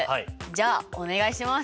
じゃあお願いします。